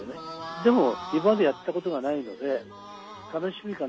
でも、今までやったことがないので、楽しみかな。